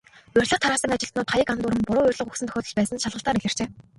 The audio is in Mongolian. Урилга тараасан ажилтнууд хаяг андууран, буруу урилга өгсөн тохиолдол байсан нь шалгалтаар илэрчээ.